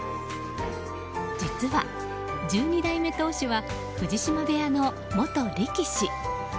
実は、１２代目当主は藤島部屋の元力士。